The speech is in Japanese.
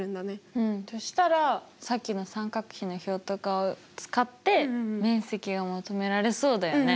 うんそしたらさっきの三角比の表とかを使って面積が求められそうだよね。